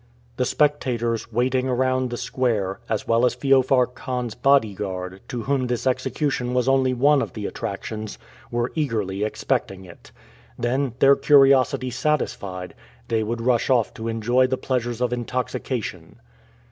The spectators, waiting around the square, as well as Feofar Khan's body guard, to whom this execution was only one of the attractions, were eagerly expecting it. Then, their curiosity satisfied, they would rush off to enjoy the pleasures of intoxication.